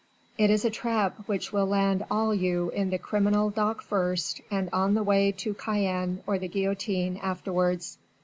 It is a trap which will land you all in the criminal dock first and on the way to Cayenne or the guillotine afterwards.